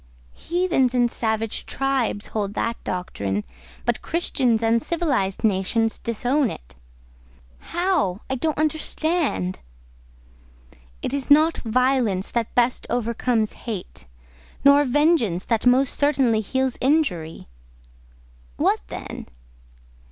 "Heathens and savage tribes hold that doctrine, but Christians and civilised nations disown it." "How? I don't understand." "It is not violence that best overcomes hate—nor vengeance that most certainly heals injury." "What then?"